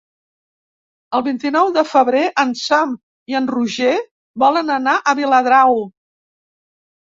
El vint-i-nou de febrer en Sam i en Roger volen anar a Viladrau.